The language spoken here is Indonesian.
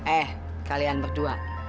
eh kalian berdua